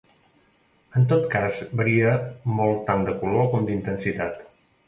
En tot cas, varia molt tant de color com d'intensitat.